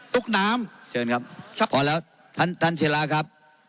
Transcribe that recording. ตุ๊กน้ำเชิญครับพอแล้วท่านท่านศิลาครับ